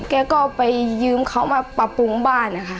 แกก็ไปยืมเขามาปรับปรุงบ้านนะคะ